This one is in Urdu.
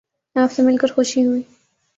آپ سے مل کر خوشی ہوئی